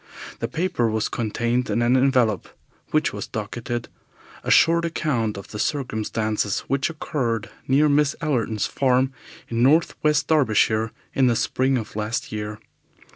The paper was contained in an envelope, which was docketed, "A Short Account of the Circumstances which occurred near Miss Allerton's Farm in North West Derbyshire in the Spring of Last Year."